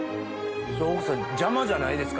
それ奥さん邪魔じゃないですか？